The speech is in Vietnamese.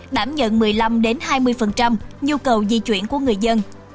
đảm nhận một mươi năm hai mươi nhu cầu di chuyển của người dân